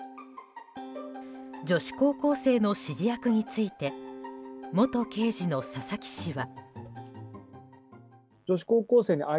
女子高校生の指示役について元刑事の佐々木氏は。